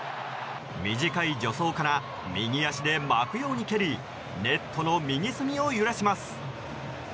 短い助走から右足で巻くように蹴りネットの右隅を揺らします。